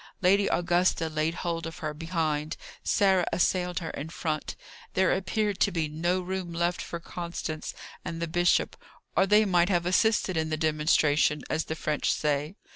Lady Augusta laid hold of her behind, Sarah assailed her in front. There appeared to be no room left for Constance and the Bishop, or they might have assisted at the demonstration as the French say.